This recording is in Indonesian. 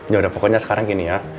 yaudah pokoknya sekarang gini ya